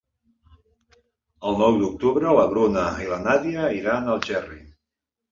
El nou d'octubre na Bruna i na Nàdia iran a Algerri.